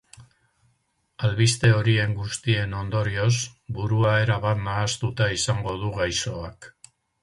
Albiste horien guztien ondorioz, burua erabat nahastuta izango du gaixoak.